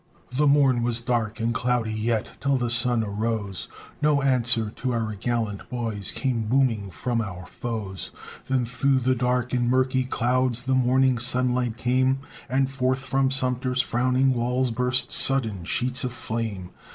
The morn was dark and cloudy Yet till the sun arose, No answer to our gallant boys Came booming from our foes. Then through the dark and murky clouds The morning sunlight came, And forth from Sumter's frowning walls Burst sudden sheets of flame.